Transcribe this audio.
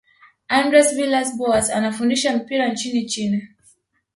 andres villas boas anafundisha mpira nchini china